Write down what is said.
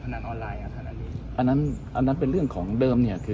มองว่าเป็นการสกัดท่านหรือเปล่าครับเพราะว่าท่านก็อยู่ในตำแหน่งรองพอด้วยในช่วงนี้นะครับ